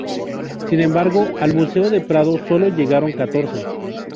Sin embargo, al Museo del Prado solo llegaron catorce.